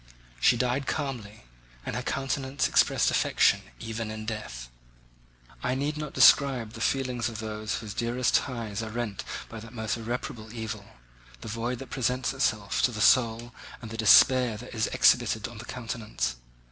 She died calmly, and her countenance expressed affection even in death. I need not describe the feelings of those whose dearest ties are rent by that most irreparable evil, the void that presents itself to the soul, and the despair that is exhibited on the countenance.